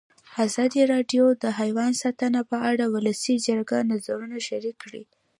ازادي راډیو د حیوان ساتنه په اړه د ولسي جرګې نظرونه شریک کړي.